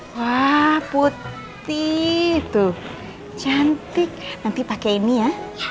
wah putih tuh cantik nanti pakai ini ya